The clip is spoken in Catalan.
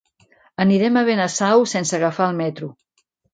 Anirem a Benasau sense agafar el metro.